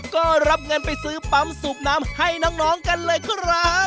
ก็รับเงินไปซื้อปั๊มสูบน้ำให้น้องกันเลยครับ